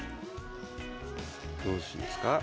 どうしますか？